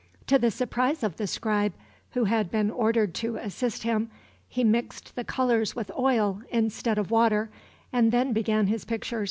To the surprise of the scribe who had been ordered to assist him, he mixed the colors with oil instead of water, and then began his picture.